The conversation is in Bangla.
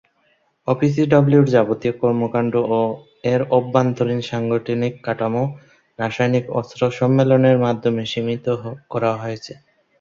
ওপিসিডব্লিউ’র যাবতীয় কর্মকাণ্ড ও এর অভ্যন্তরীণ সাংগঠনিক কাঠামো রাসায়নিক অস্ত্র সম্মেলনের মাধ্যমে সীমিত রাখা হয়েছে।